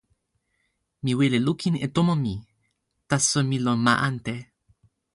mi wile lukin e tomo mi. taso mi lon ma ante.